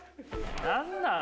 何なん？